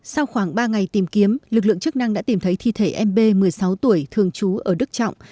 sau khoảng ba ngày tìm kiếm lực lượng chức năng đã tìm thấy thi thể mb một mươi sáu tuổi thường trú ở đức trọng